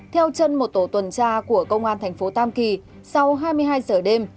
theo chân một tổ tuần tra của công an thành phố tam kỳ sau hai mươi hai giờ đêm